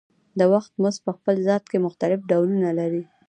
د وخت مزد په خپل ذات کې مختلف ډولونه لري